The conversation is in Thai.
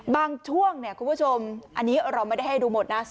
ช่วงเนี่ยคุณผู้ชมอันนี้เราไม่ได้ให้ดูหมดนะ